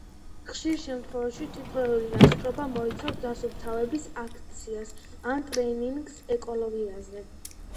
ხშირ შემთხვევაში თითოეული ლაშქრობა მოიცავს დასუფთავების აქციას ან ტრენინგს ეკოლოგიაზე.